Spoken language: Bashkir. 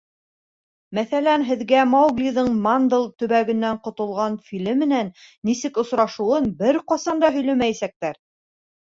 Мәҫәлән, һеҙгә Мауглиҙың Мандл төбәгенән ҡоторған филе менән нисек осрашыуын бер ҡасан да һөйләмәйәсәктәр.